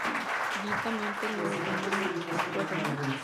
Seguidamente lo ordenado en el Acuerdo No.